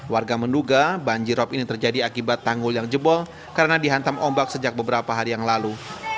warga menduga banjirop ini terjadi akibat tanggul yang jebol karena dihantam ombak sejak beberapa hari yang lalu